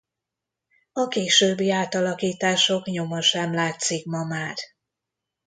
A későbbi átalakítások nyoma sem látszik ma már.